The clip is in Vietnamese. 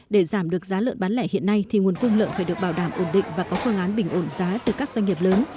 để giảm được giá lợn bán lẻ hiện nay thì nguồn cung lợn phải được bảo đảm ổn định và có khuôn án bình ổn giá từ các doanh nghiệp lớn